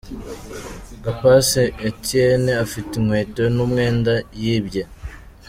Gapasi Etienne afite inkweto n’umwenda yibye.